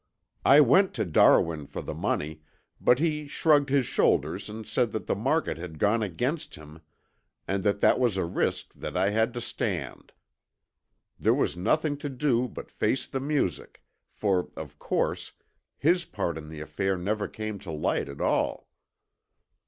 I went to Darwin for the money, but he shrugged his shoulders and said that the market had gone against him and that that was a risk that I had to stand. There was nothing to do but face the music, for, of course, his part in the affair never came to light at all."